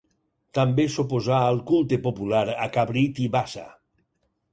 També s'oposà al culte popular a Cabrit i Bassa.